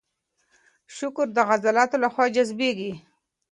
شکر د عضلاتو له خوا جذبېږي.